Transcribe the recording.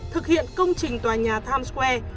thực hiện công trình tòa nhà times square